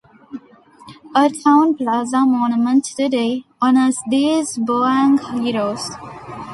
A town plaza monument today honors these Bauang heroes.